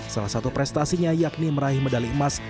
salah satu prestasinya yakni meraih medali emas